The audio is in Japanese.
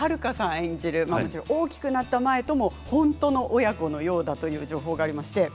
演じる大きくなった舞とも本当の親子のようだという情報があります。